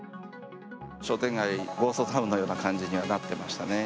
商店街、ゴーストタウンのような状態にはなってましたね。